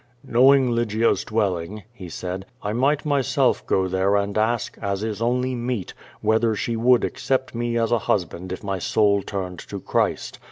"Knowing Lygia's dwelling," he said, I might myself go there and ask, as is only meet, whether she would accept me as a husband if my soul turned to Christ.